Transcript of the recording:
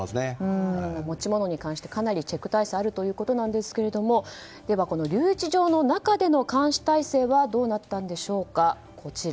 持ち物に関してかなりチェック体制あるということなんですけれどもでは、この留置場の中での監視体制はどうだったんでしょうか。